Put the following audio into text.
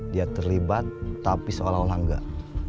dia terlibat tapi seolah olah enggak